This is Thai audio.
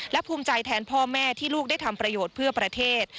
และภูมิใจแทนพ่อแม่ที่ลูกได้ทำประโยชน์เพื่อประเทศ